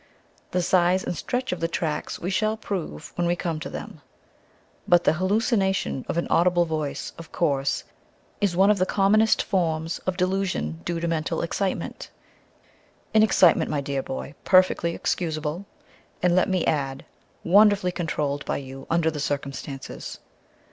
The size and stretch of the tracks we shall prove when we come to them. But the hallucination of an audible voice, of course, is one of the commonest forms of delusion due to mental excitement an excitement, my dear boy, perfectly excusable, and, let me add, wonderfully controlled by you under the circumstances.